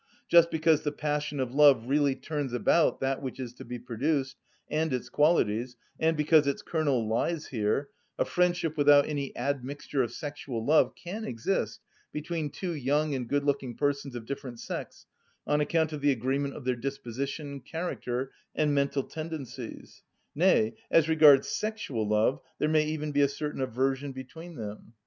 Just because the passion of love really turns about that which is to be produced, and its qualities, and because its kernel lies here, a friendship without any admixture of sexual love can exist between two young and good‐looking persons of different sex, on account of the agreement of their disposition, character, and mental tendencies; nay, as regards sexual love there may even be a certain aversion between them.